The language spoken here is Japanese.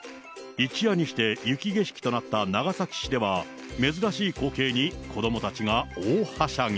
一夜にして雪景色となった長崎市では、珍しい光景に子どもたちが大はしゃぎ。